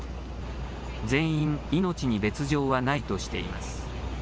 全員、命に別状はないとしています。